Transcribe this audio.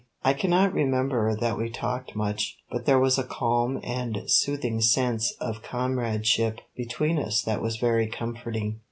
I cannot remember that we talked much, but there was a calm and soothing sense of comradeship between us that was very comforting.